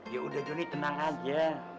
ya udah juni tenang aja